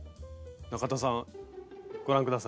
中田さんご覧下さい。